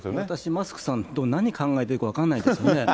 マスクさん、何を考えてるか分からないですね。